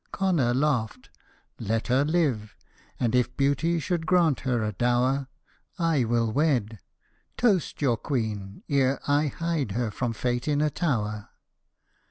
Connor laughed :' Let her live, and if beauty should grant her a dower, I will wed. Toast your queen, ere I hide her from fate in a tower.'